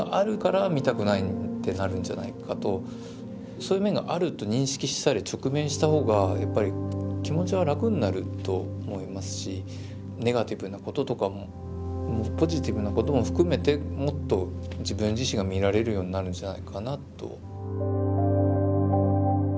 そういう面があると認識したり直面した方がやっぱり気持ちは楽になると思いますしネガティブなこととかもポジティブなことも含めてもっと自分自身が見られるようになるんじゃないかなと。